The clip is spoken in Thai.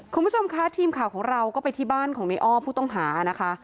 คุณผู้ชมคะทีมข่าวของเราก็ไปที่บ้านของในอ้อผู้ต้องหานะคะ